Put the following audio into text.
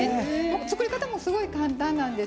作り方もすごい簡単なんです。